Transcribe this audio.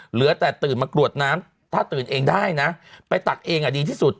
เหลือแต่ตื่นมากรวดน้ำถ้าตื่นเองได้นะไปตักเองดีที่สุด